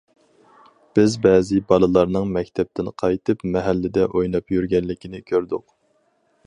بىز بەزى بالىلارنىڭ مەكتەپتىن قايتىپ مەھەللىدە ئويناپ يۈرگەنلىكىنى كۆردۇق.